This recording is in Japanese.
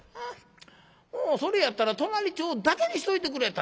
もうそれやったら隣町だけにしといてくれたらええのに。